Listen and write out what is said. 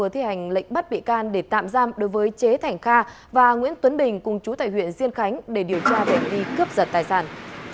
thành lệnh bắt bị can để tạm giam đối với chế thảnh kha và nguyễn tuấn bình cùng chú tại huyện diên khánh để điều tra bệnh vi cướp giật tài sản